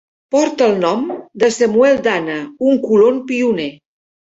Porta el nom de Samuel Dana, un colon pioner.